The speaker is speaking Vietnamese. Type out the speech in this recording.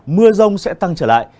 mưa rông sẽ tăng trở lại